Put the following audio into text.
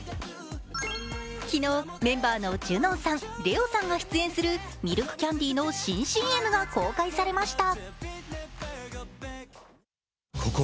昨日、メンバーのＪＵＮＯＮさん、ＬＥＯさんが出演するミルクキャンディーの新ＣＭが公開されました。